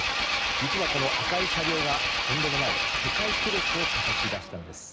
実は、この赤い車両がとんでもない世界記録をたたき出したんです。